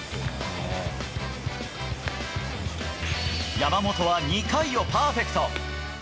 山本は２回をパーフェクト。